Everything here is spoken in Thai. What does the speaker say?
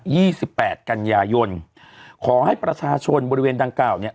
สิบแปดกันยายนขอให้ประชาชนบริเวณดังกล่าวเนี้ย